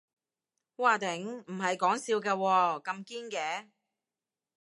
嘩頂，唔係講笑㗎喎，咁堅嘅